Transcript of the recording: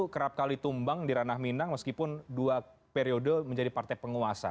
kerap kali tumbang di ranah minang meskipun dua periode menjadi partai penguasa